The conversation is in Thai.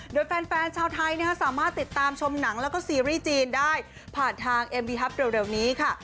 โดยแฟนชาวไทยสามารถติดตามชมหนังแล้วก็ซีรีส์จีนได้ผ่านทางเอ็มวีฮัพเร็วนี้ค่ะ